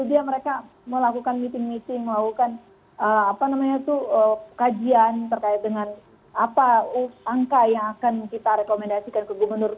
dia mereka melakukan meeting meeting melakukan kajian terkait dengan apa angka yang akan kita rekomendasikan ke gubernur